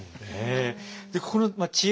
ここの知恵がね